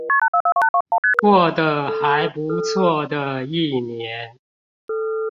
過得還不錯的一年